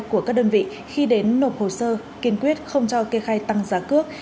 của các đơn vị khi đến nộp hồ sơ kiên quyết không cho kê khai tăng giá cước